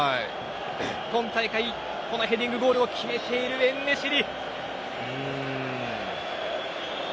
今大会ヘディングゴールを決めているエンネシリ。